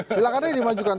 silahkan aja dimajukan